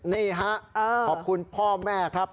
นี่ฮะขอบคุณพ่อแม่ครับ